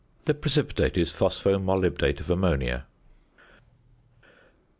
The precipitate is phospho molybdate of ammonia.